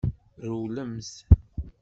Rewlemt!